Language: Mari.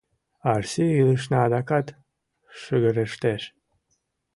Арси, илышна адакат шыгырештеш...